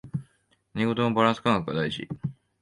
何事もバランス感覚が大事